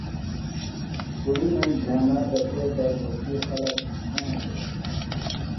کُڑِینم جھانا دڇِھلوۡ تہ گھوݜٹی خلک نہ ہینسِلہ دےۡ